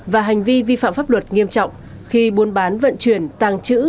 và hành vi vi phạm pháp luật nghiêm trọng khi buôn bán vận chuyển tàng trữ